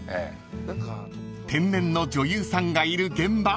［天然の女優さんがいる現場